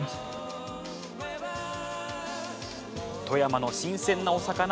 富山の新鮮なお魚。